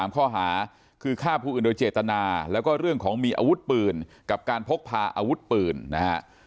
ข้อหาคือฆ่าผู้อื่นโดยเจตนาแล้วก็เรื่องของมีอาวุธปืนกับการพกพาอาวุธปืนนะฮะ